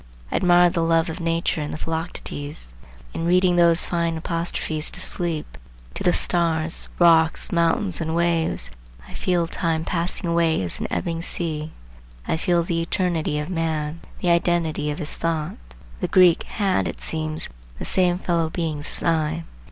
I admire the love of nature in the Philoctetes. In reading those fine apostrophes to sleep, to the stars, rocks, mountains and waves, I feel time passing away as an ebbing sea. I feel the eternity of man, the identity of his thought. The Greek had it seems the same fellow beings as I.